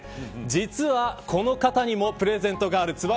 実はこの方にもプレゼントがあるつば